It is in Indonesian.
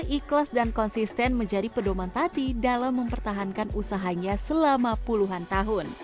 sabar ikhlas dan konsisten menjadi pedoman tati dalam mempertahankan usahanya selama puluhan tahun